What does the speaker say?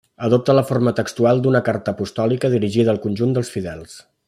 Adopta la forma textual d'una carta apostòlica dirigida al conjunt dels fidels.